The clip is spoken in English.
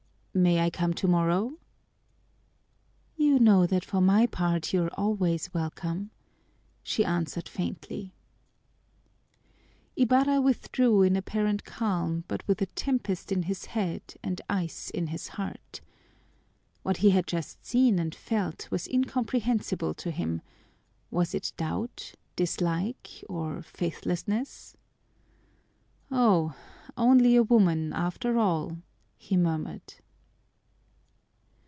"May I come tomorrow?" "You know that for my part you are always welcome," she answered faintly. Ibarra withdrew in apparent calm, but with a tempest in his head and ice in his heart. What he had just seen and felt was incomprehensible to him: was it doubt, dislike, or faithlessness? "Oh, only a woman after all!" he murmured.